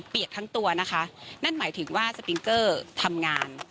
ทั้งตัวนะคะนั่นหมายถึงว่าสปิงเกอร์ทำงาน